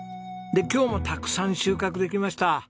で今日もたくさん収穫できました。